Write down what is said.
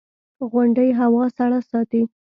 • غونډۍ هوا سړه ساتي.